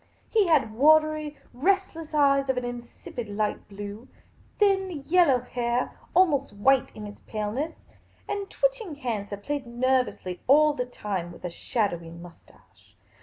He had wa tery, restless eyes of an insipid light blue; thin, yellow hair, al most white in its paleness; and twitching hands that played nervously all t h e t i m e w i t h a shadowy moustache.